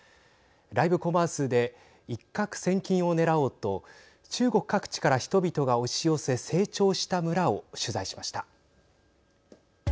ライブコマースで一獲千金をねらおうと中国各地から人々が押し寄せ成長した村を取材しました。